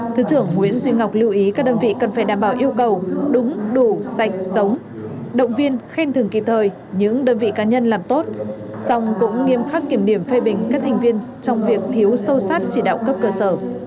thứ trưởng nguyễn duy ngọc lưu ý các đơn vị cần phải đảm bảo yêu cầu đúng đủ sạch sống động viên khen thường kịp thời những đơn vị cá nhân làm tốt song cũng nghiêm khắc kiểm điểm phê bình các thành viên trong việc thiếu sâu sát chỉ đạo cấp cơ sở